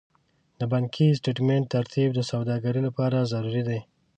د بانکي سټېټمنټ ترتیب د سوداګرۍ لپاره ضروري دی.